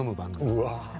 うわ。